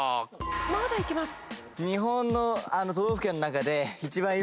まだいけます。